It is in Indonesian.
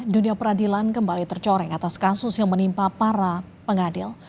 dunia peradilan kembali tercoreng atas kasus yang menimpa para pengadil